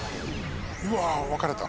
うわ分かれた！